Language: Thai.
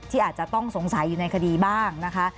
อาจจะต้องสงสัยอยู่ในคดีบ้างนะคะ